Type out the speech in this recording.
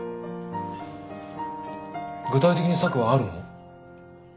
具体的に策はあるの？